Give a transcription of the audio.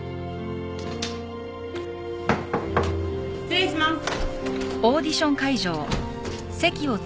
失礼します。